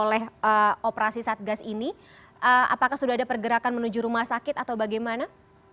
apakah sudah terjadi pergerakan oleh operasi satgas ini apakah sudah ada pergerakan menuju rumah sakit atau bagaimana